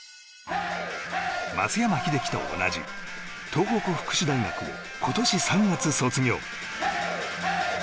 松山英樹と同じ東北福祉大学を今年３月、卒業。